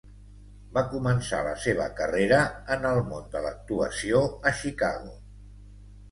Va començar la seva carrera en el món de l'actuació a Chicago.